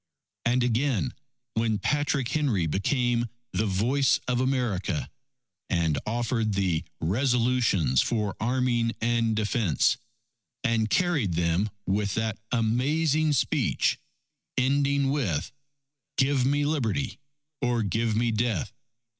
And again, when Patrick Henry became the voice of America, and offered the "Resolutions for Arming and Defense," and carried them with that amazing speech ending with: _Give me Liberty or give me Death!